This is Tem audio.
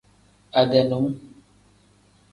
Ade num.